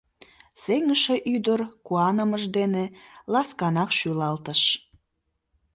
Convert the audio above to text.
Сеҥыше ӱдыр куанымыж дене ласканак шӱлалтыш.